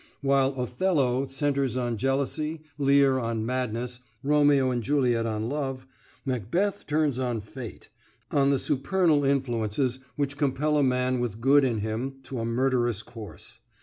While 'Othello' centres on jealousy, 'Lear' on madness, 'Romeo and Juliet' on love, 'Macbeth' turns on fate, on the supernal influences which compel a man with good in him to a murderous course.